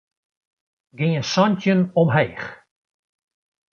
Gean santjin omheech.